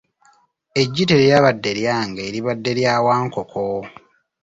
Eggi teryabadde lyange libadde lya Wankoko,